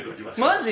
マジ？